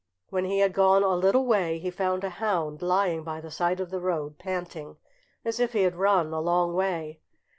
When he had gone a little way he found a hound lying by the side of the road panting, as if he had run a long way.